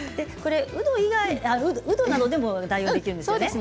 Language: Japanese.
うどなどでも代用できるんですね。